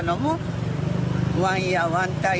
adalah nelupan dan beening tangani